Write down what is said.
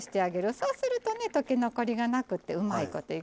そうするとね溶け残りがなくってうまいこといくんですわ。